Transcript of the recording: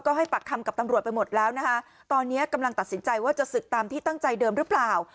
ก็ให้ปากคำกับตำรวจไปหมดแล้วนะคะตอนนี้กำลังตัดสินใจว่าจะศึกตามที่ตั้งใจเดิมหรือเปล่า